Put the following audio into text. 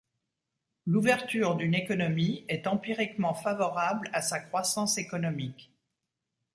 L'ouverture d'une économie est empiriquement favorable à sa croissance économique.